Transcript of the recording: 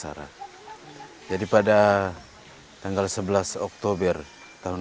saya juga sudah berusaha untuk membuat komponen untuk membuat desa binaan